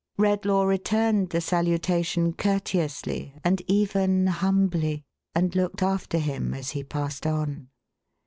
Redlaw returned the salutation courteously and even humbly, and looked after him as he passed on.